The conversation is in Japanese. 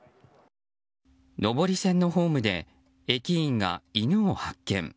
上り線のホームで駅員が犬を発見。